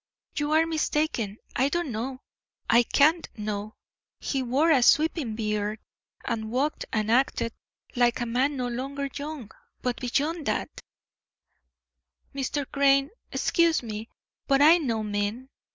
"You are mistaken. I don't know; I can't know. He wore a sweeping beard, and walked and acted like a man no longer young, but beyond that " "Mr. Crane, excuse me, but I know men.